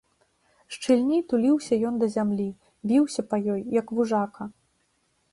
Шчыльней туліўся ён да зямлі, віўся па ёй, як вужака.